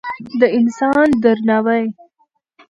د انسان درناوی